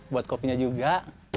buat kopinya juga